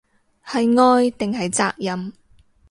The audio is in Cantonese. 係愛定係責任